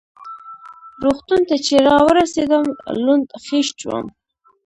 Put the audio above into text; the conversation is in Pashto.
روغتون ته چې را ورسېدم لوند خېشت وم.